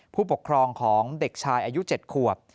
ผู้ปกครองของเด็กชายอายุ๗ขวบ